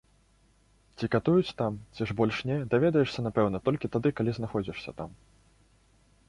Ці катуюць там ці ж больш не, даведваешся напэўна толькі тады, калі знаходзішся там.